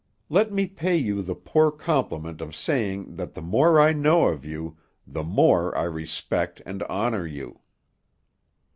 Let me pay you the poor compliment of saying that the more I know of you, the more I respect and honor you."